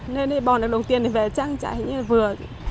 nên đây bọn này đầu tiên thì về trang trại như là vừa